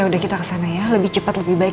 udah kita kesana ya lebih cepat lebih baik